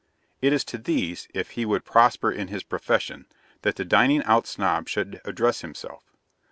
It is to these, if he would prosper in his profession, that the Dining out Snob should address himself.